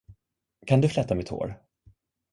Kan du fläta mitt hår?